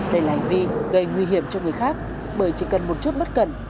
đây là hành vi gây nguy hiểm cho người khác bởi chỉ cần một chút mất cần